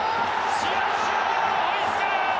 試合終了のホイッスル！